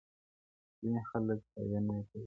ځيني خلک ستاينه کوي-